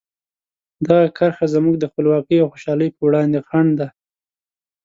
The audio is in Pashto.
دغه کرښه زموږ د خپلواکۍ او خوشحالۍ په وړاندې خنډ ده.